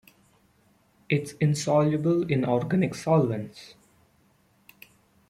It is insoluble in organic solvents.